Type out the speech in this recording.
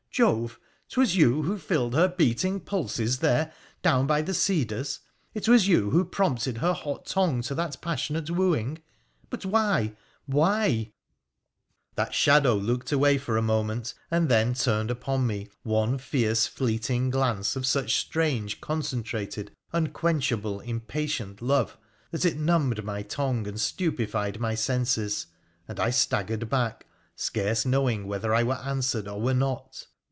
Jove ! 'twas you who filled her beating pulses there down by the cedars, it was you who prompted her hot tongue to that passionate wooing ? But why — why ?' That shadow looked away for a moment, and then turned upon me one fierce fleeting glance of such strange, concen trated, unquenchable, impatient love that it numbed my tongue and stupefied my senses, and I staggered back, scarce knowing whether I were answered or were not.